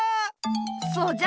そうじゃ。